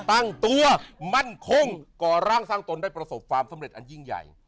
ตั้งตัวมั่นคงก่อร่างสร้างตนได้ประสบความสำเร็จอันยิ่งใหญ่